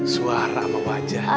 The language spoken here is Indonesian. suara sama wajah